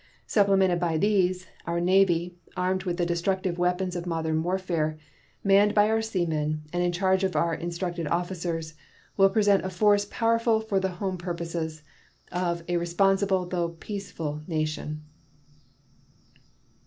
Supplemented by these, our Navy, armed with the destructive weapons of modern warfare, manned by our seamen, and in charge of our instructed officers, will present a force powerful for the home purposes of a responsible though peaceful nation.